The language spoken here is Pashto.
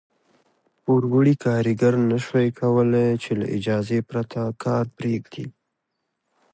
پوروړي کارګر نه شوای کولای چې له اجازې پرته کار پرېږدي.